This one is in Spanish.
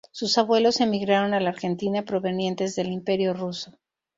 Sus abuelos emigraron a la Argentina provenientes del Imperio ruso.